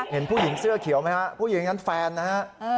เห็นผู้หญิงเสื้อเขียวไหมฮะผู้หญิงอย่างนั้นแฟนนะฮะ